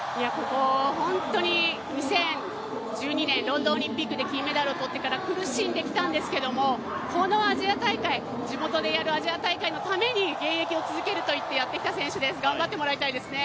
本当に２０１２年ロンドンオリンピックで金メダルを取ってから苦しんできたんですけれどもこの地元でやるアジア大会のために現役を続けるといってやってきた選手です、頑張ってほしいですね。